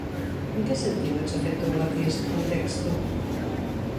En que sentido che afectou a ti este contexto?